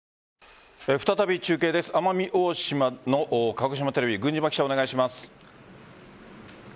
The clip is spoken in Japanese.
再び中継です、奄美大島の鹿児島テレビ郡嶌記者お願いします。